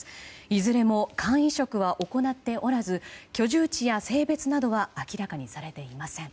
いずれも肝移植は行っておらず居住地や性別などは明らかにされていません。